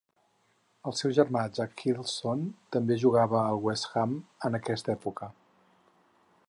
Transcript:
El seu germà Jack Hilsdon també jugava al West Ham en aquesta època.